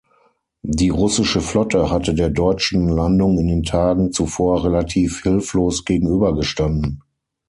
Die russische Flotte hatte der deutschen Landung in den Tagen zuvor relativ hilflos gegenübergestanden.